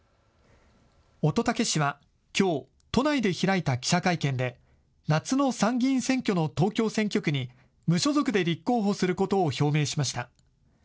乙武氏は、きょう都内で開いた記者会見で夏の参議院選挙の東京選挙区に無所属で立候補することを表明しました。